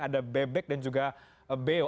ada bebek dan juga beo